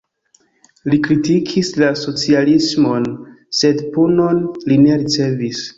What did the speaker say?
Li kritikis la socialismon, sed punon li ne ricevis.